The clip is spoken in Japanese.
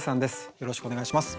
よろしくお願いします。